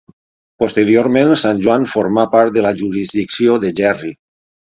Posteriorment, Sant Joan formà part de la jurisdicció de Gerri.